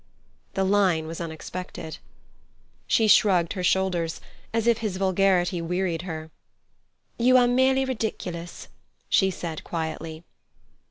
The line was unexpected. She shrugged her shoulders, as if his vulgarity wearied her. "You are merely ridiculous," she said quietly.